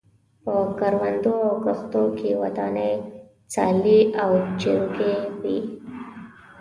په کروندو او کښتو کې ودانې څالې او چرګۍ وې.